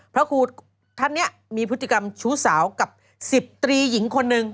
พระครูท่านนี้มีพฤติกรรมชู้สาวกับ๑๐ตรีหญิงคนหนึ่ง